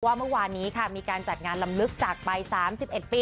เมื่อวานนี้ค่ะมีการจัดงานลำลึกจากไป๓๑ปี